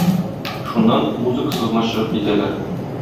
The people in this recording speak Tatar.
Шуннан, музыкасыз гына чыгып китәләр.